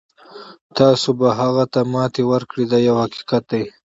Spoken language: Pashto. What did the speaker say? تاسو به هغه ته ماتې ورکړئ دا یو حقیقت دی.